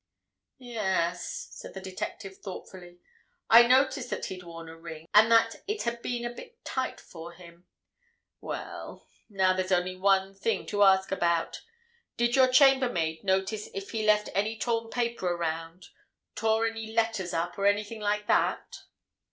"Yes," said the detective, thoughtfully, "I noticed that he'd worn a ring, and that it had been a bit tight for him. Well—now there's only one thing to ask about. Did your chambermaid notice if he left any torn paper around—tore any letters up, or anything like that?"